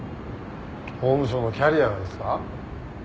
法務省のキャリアがですか？